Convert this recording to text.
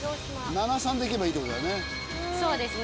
７３でいけばいいって事だよね。